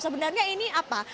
sebenarnya ini apa